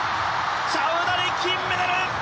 チャウダリ、金メダル！